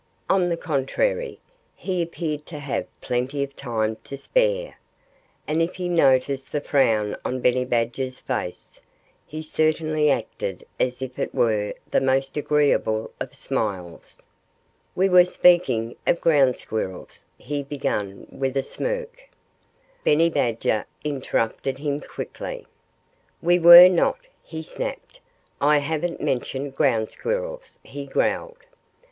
On the contrary, he appeared to have plenty of time to spare. And if he noticed the frown on Benny Badger's face, he certainly acted as if it were the most agreeable of smiles. "We were speaking of Ground Squirrels " he began with a smirk. Benny Badger interrupted him quickly. "We were not!" he snapped. "I haven't mentioned Ground Squirrels," he growled. Mr.